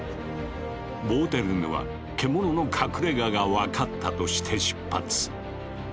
ボーテルヌは獣の隠れがが分かったとして出発。